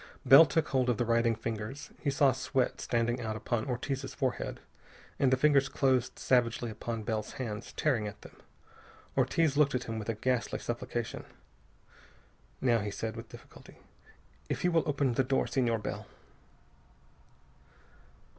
Bill took hold of the writhing fingers. He saw sweat standing out upon Ortiz's forehead. And the fingers closed savagely upon Bell's hands, tearing at them. Ortiz looked at him with a ghastly supplication. "Now," he said with difficulty, "if you will open the door, Senor Bell...."